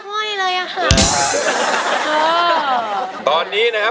เพื่อจะไปชิงรางวัลเงินล้าน